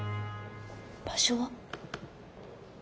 「場所」は？